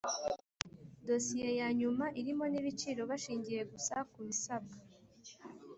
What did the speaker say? Dosiye ya nyuma irimo n ibiciro bashingiye gusa ku bisabwa